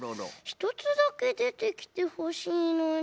ひとつだけでてきてほしいのに。